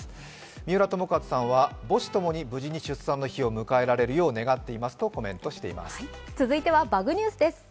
三浦友和さんは母子ともに無事に出産の日を迎えられるよう願っていますとコメントしています。